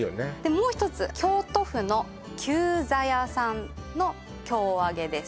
もう一つ京都府の久在屋さんの京揚げです